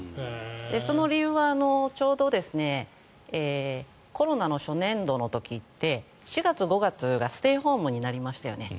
その理由はちょうどコロナの初年度の時って４月、５月がステイホームになりましたよね。